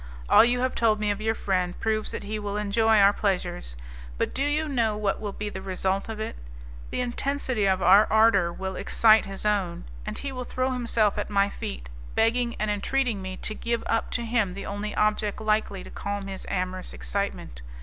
All you have told me of your friend proves that he will enjoy our pleasures. But do you know what will be the result of it? The intensity of our ardour will excite his own, and he will throw himself at my feet, begging and entreating me to give up to him the only object likely to calm his amorous excitement.